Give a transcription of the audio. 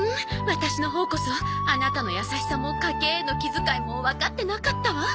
ワタシのほうこそアナタの優しさも家計への気遣いもわかってなかったわ。